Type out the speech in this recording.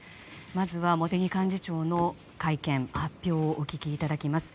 まずは茂木幹事長の会見、発表をお聞きいただきます。